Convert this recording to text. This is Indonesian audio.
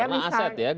karena aset ya